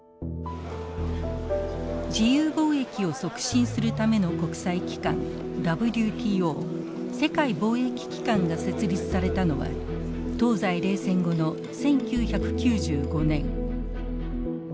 自由貿易を促進するための国際機関ＷＴＯ世界貿易機関が設立されたのは東西冷戦後の１９９５年。